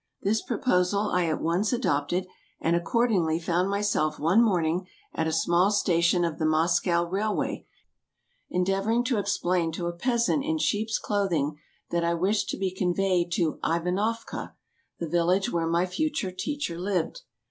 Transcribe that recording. This proposal I at once adopted, and accordingly found myself one morning at a small station of the Moscow Railway, endeavoring to explain to a peasant in sheep's clothing that I wished to be conveyed to Ivanofka, the village where my future teacher lived.